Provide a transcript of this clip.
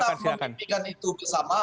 memimpikan itu bersama